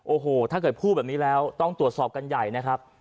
โอ้โหถ้าเกิดพูดแบบนี้แล้วต้องตรวจสอบกันใหญ่นะครับ